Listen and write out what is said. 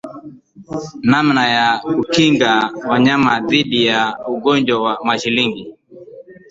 Namna ya kuwakinga wanyama dhidi ya ugonjwa wa mashilingi